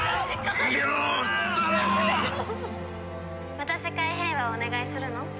また世界平和をお願いするの？